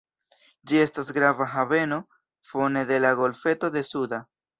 Ĝi estas grava haveno fone de la golfeto de Suda.